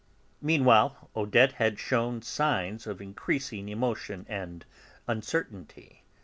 Meanwhile, Odette had shewn signs of increasing emotion and uncertainty.